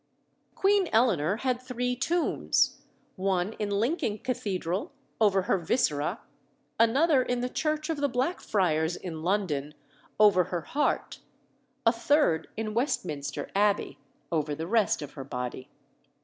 Queen Eleanor had three tombs one in Lincoln Cathedral, over her viscera; another in the church of the Blackfriars in London, over her heart; a third in Westminster Abbey, over the rest of her body.